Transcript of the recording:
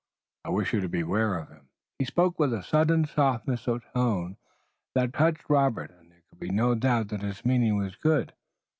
I wish you to beware of him." He spoke with a sudden softness of tone that touched Robert, and there could be no doubt that his meaning was good.